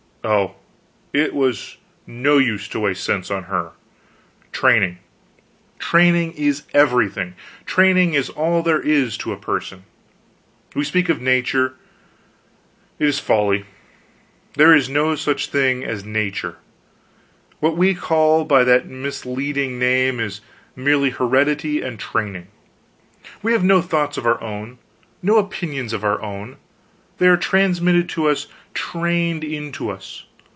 Oh, it was no use to waste sense on her. Training training is everything; training is all there is to a person. We speak of nature; it is folly; there is no such thing as nature; what we call by that misleading name is merely heredity and training. We have no thoughts of our own, no opinions of our own; they are transmitted to us, trained into us.